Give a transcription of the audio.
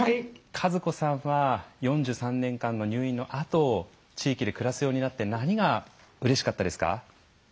和子さんは４３年間の入院のあと地域で暮らすようになって何がうれしかったですか？